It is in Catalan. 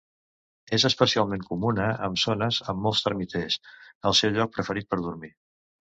És especialment comuna en zones amb molts termiters, el seu lloc preferit per dormir.